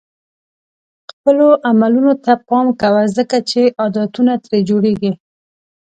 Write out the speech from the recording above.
خپلو عملونو ته پام کوه ځکه چې عادتونه ترې جوړېږي.